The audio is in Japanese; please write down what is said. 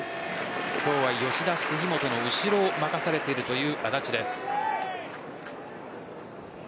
今日は吉田、杉本の後ろを任されているという安達です。